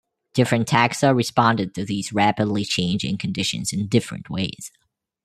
Different taxa responded to these rapidly changing conditions in different ways.